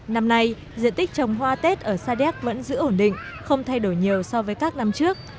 năm nay diện tích trồng hoa tết ở sa đéc vẫn giữ ổn định không thay đổi nhiều so với các năm trước